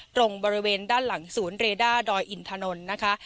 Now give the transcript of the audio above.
ตรงบริเวณด้านหลังศูนย์เรด้าดอยอินถนนนะคะ